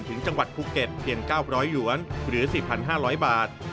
ถึงจังหวัดภูเก็ตเพียง๙๐๐หยวนหรือ๔๕๐๐บาท